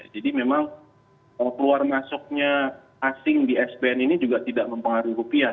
jadi memang kalau keluar masuknya asing di spn ini juga tidak mempengaruhi rupiah